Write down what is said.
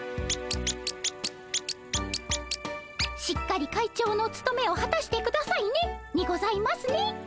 「しっかり会長のつとめをはたしてくださいね」にございますね。